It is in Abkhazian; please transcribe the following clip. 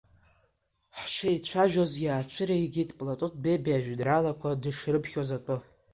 Ҳшеицәажәоз, иаацәыригеит Платон Бебиа ажәеинраалақәа дышрыԥхьоз атәы.